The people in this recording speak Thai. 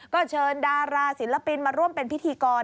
ก็เชิญดาราศิลปินมาร่วมเป็นพิธีกร